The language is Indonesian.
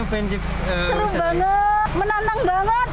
seru banget menantang banget